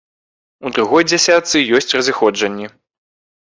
У другой дзясятцы ёсць разыходжанні.